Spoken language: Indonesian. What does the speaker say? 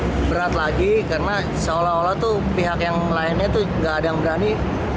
lebih berat lagi karena seolah olah tuh pihak yang lainnya tuh gak ada yang berani